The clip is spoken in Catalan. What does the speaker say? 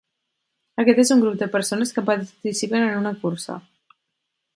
Aquest és un grup de persones que participen en una cursa.